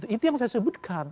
itu yang saya sebutkan